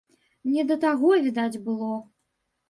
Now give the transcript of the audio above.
Не да таго, відаць, было.